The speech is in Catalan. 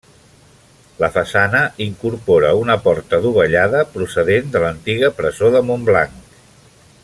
La façana incorpora una porta dovellada procedent de l'antiga presó de Montblanc.